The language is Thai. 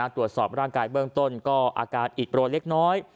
ตรวจสอบร่างกายเบื้องต้นก็อาการอิดโรยเล็กน้อย